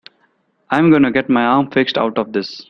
I'm gonna get my arm fixed out of this.